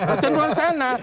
kecenderungan di sana